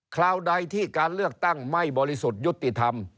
คราวใดที่การเลือกตั้งไม่บริสุทธิ์ยุติธรรม